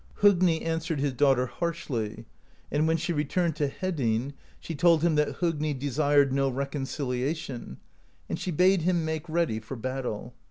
"Hogni answered his daughter harshly; and when she returned to Hedinn, she told him that Hogni desired no reconciliation, and she bade him make ready for battle.